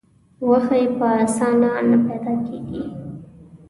غوښه یې په اسانه نه پیدا کېږي.